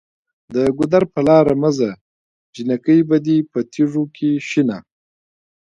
د ګودر په لاره مه ځه جینکۍ به دې په تیږو کې شنه